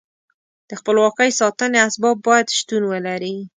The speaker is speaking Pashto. د خپلواکۍ ساتنې اسباب باید شتون ولري.